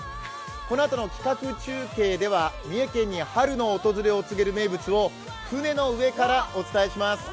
このあとの企画中継では三重県に春の訪れを告げる名物を船の上からお伝えします。